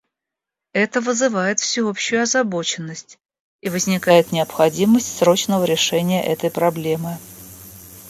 Это вызывает всеобщую озабоченность, и возникает необходимость срочного решения этой проблемы.